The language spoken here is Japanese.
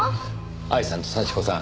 愛さんと幸子さん